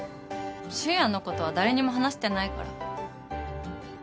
俊也のことは誰にも話してないから。